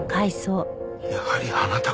やはりあなたが。